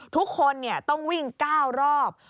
ทุกคนเนี่ยต้องวิ่ง๙รอบ